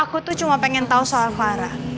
aku tuh cuma pengen tau soal clara